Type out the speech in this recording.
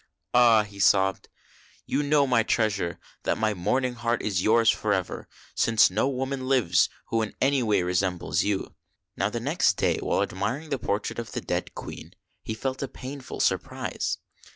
"Ah!" he sobbed: "you know, my treasure, that my mourning heart is yours forever, since no woman lives who in any way resembles you." Now the next day, while admiring the portrait of the dead Queen, he felt a painful surprise.